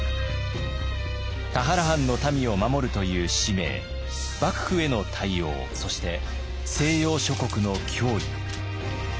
田原藩の民を守るという使命幕府への対応そして西洋諸国の脅威。